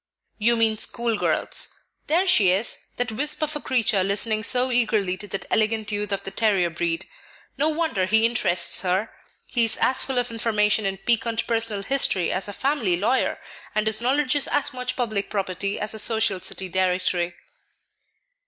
"You mean school girls. There she is, that wisp of a creature listening so eagerly to that elegant youth of the terrier breed. No wonder he interests her; he is as full of information in piquant personal history as a family lawyer, and his knowledge is as much public property as a social city directory."